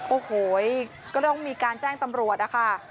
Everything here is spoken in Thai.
โอ้โหก็ต้องมีการแจ้งตำรวจนะคะ